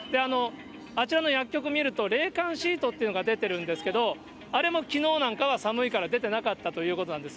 あちらの薬局見ると、冷感シートっていうのが出てるんですけど、あれもきのうなんかは寒いから出てなかったということなんです。